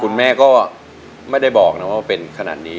คุณแม่ก็ไม่ได้บอกนะว่าเป็นขนาดนี้